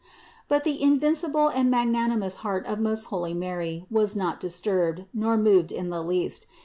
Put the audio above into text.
But the invincible and magnanimous heart of most holy Mary was not disturbed, nor moved in the least.